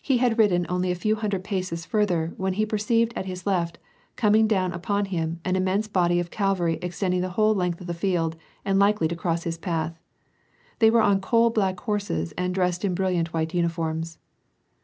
He had ridden only a few hundred paces farther, when he per ceived at his left, coming down upon him, an immense body of cavalry extending the whole length of the held and likely to cross his path. They were on coal black horses, and dressed in brilliant white uniforms.